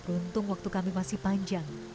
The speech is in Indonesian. beruntung waktu kami masih panjang